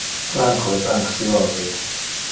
Franco es anxiose.